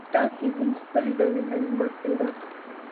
تاسې هم خپل دننه لمر پیدا کړئ.